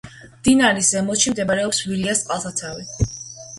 მდინარის ზემოთში მდებარეობს ვილიას წყალსაცავი.